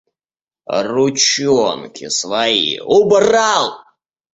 Ручонки свои убрал!